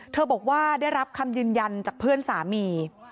บอกว่าได้รับคำยืนยันจากเพื่อนสามี